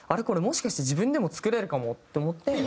これもしかして自分でも作れるかもと思って。